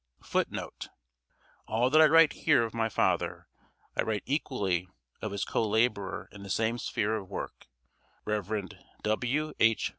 [Footnote A: All that I here write of my father, I write equally of his co laborer in the same sphere of work Rev. W.H.